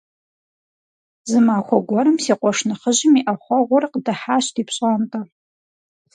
Зы махуэ гуэрым си къуэш нэхъыжьым и Ӏэхъуэгъур къыдыхьащ ди пщӀантӀэ.